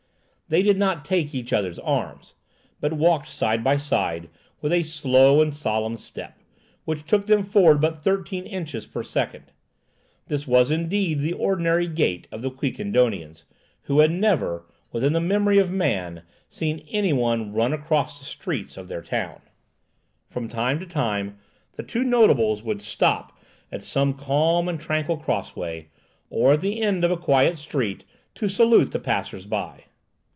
They did not take each other's arms, but walked side by side, with a slow and solemn step, which took them forward but thirteen inches per second. This was, indeed, the ordinary gait of the Quiquendonians, who had never, within the memory of man, seen any one run across the streets of their town. From time to time the two notables would stop at some calm and tranquil crossway, or at the end of a quiet street, to salute the passers by.